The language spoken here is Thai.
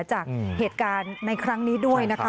จากเหตุการณ์ในครั้งนี้ด้วยนะคะ